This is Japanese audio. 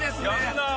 なあ